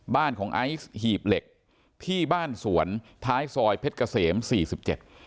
บ้านของไอซ์หีบเหล็กที่บ้านสวนท้ายซอยเพชรเกษมสี่สิบเจ็ด